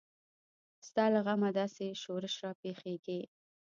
ستا له غمه داسې شورش راپېښیږي.